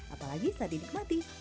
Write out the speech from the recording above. apalagi saat dinikmati